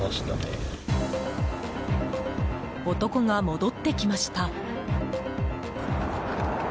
男が戻ってきました。